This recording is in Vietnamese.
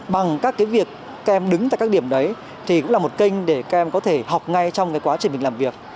bằng các việc các em đứng tại các điểm đấy thì cũng là một kênh để các em có thể học ngay trong quá trình mình làm việc